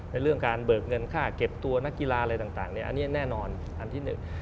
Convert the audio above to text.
เรื่องการเบิกเงินค่าเก็บตัวนักกีฬาอะไรต่างเนี่ยอันนี้แน่นอนอันที่หนึ่ง